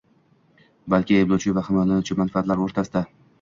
balki, ayblovchi va himoyalanuvchi manfaatlari o‘rtasida